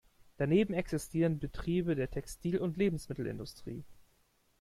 Daneben existieren Betriebe der Textil- und Lebensmittelindustrie.